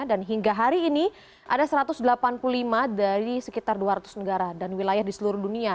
dan hingga hari ini ada satu ratus delapan puluh lima dari sekitar dua ratus negara dan wilayah di seluruh dunia